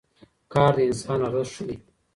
کار د انسان ارزښت ښيي.